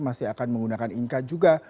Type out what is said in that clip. masih akan menggunakan inka juga